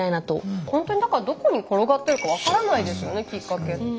ほんとにだからどこに転がってるか分からないですよねきっかけって。